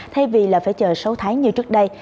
thay vì là phải chờ sáu tháng như trước đây